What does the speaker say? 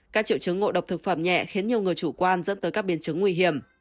các triệu chứng ngộ độc thực phẩm nhẹ khiến nhiều người chủ quan dẫn tới các biến chứng nguy hiểm